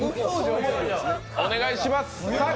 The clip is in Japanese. お願いします。